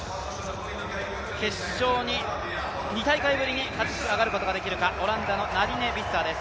決勝に２大会ぶりに勝ち上がることができるか、オランダのビッサーです。